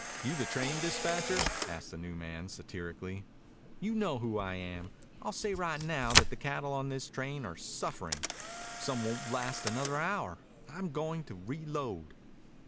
"You the train dispatcher?" asked the new man satirically. "You know who I am. I'll say right now that the cattle on this train are suffering. Some won't last another hour. I'm goin' to reload."